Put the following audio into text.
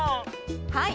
はい。